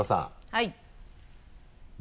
はい。